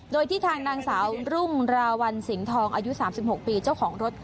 โดยที่ทางนางสาวรุ่งราวัลสิงห์ทองอายุ๓๖ปีเจ้าของรถ